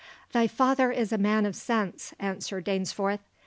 "Thy father is a man of sense," answered Dainsforth.